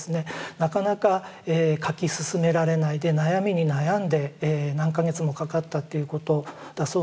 なかなか描き進められないで悩みに悩んで何か月もかかったっていうことだそうなんですけれども。